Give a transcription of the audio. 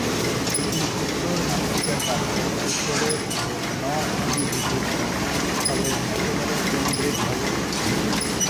এটি উত্তর আমেরিকার কাছে, উত্তরের ও ন নদী দুটির সঙ্গম স্থলের একেবারে কেন্দ্রে অবস্থিত।